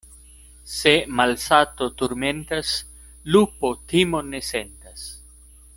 Se malsato turmentas, lupo timon ne sentas.